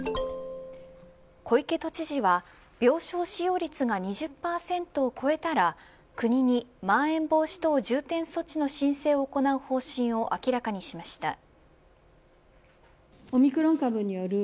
小池都知事は病床使用率が２０％を超えたら国に、まん延防止等重点措置の申請を行う方針を明らかにしました。